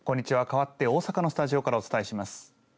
かわって大阪のスタジオからお伝えします。